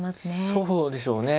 そうでしょうね。